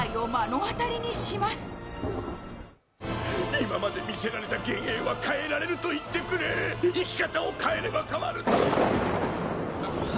今まで見せられた幻影は変えられると言ってくれ生き方を変えれば変わると。